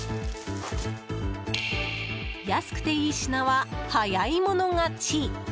安くて良い品は、早い者勝ち！